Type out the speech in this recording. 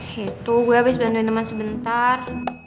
hei tuh gue abis bantuin temen sebentar